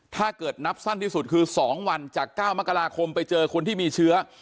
ถ้าเกิดนับสั้นที่สุดคือ๒วันจาก๙มกราคมไปเจอคนที่มีเชื้อ